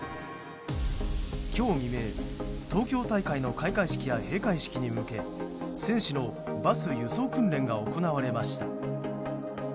今日未明、東京大会の開会式と閉会式に向け選手のバス輸送訓練が行われました。